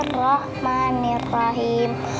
allahumma barik lanafima